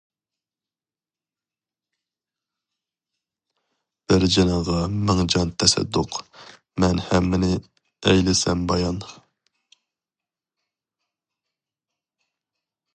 بىر جىنىڭغا مىڭ جان تەسەددۇق، مەن ھەممىنى ئەيلىسەم بايان.